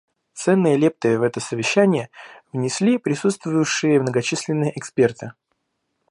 Ценные лепты в это совещание внесли присутствовавшие многочисленные эксперты.